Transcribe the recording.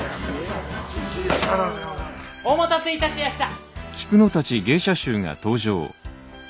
お待たせいたしやした。